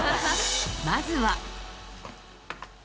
まずは。